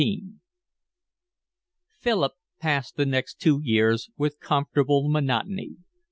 XVII Philip passed the next two years with comfortable monotony.